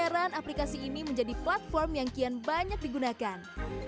dan peran aplikasi ini menjadi platform yang kian banyak digunakan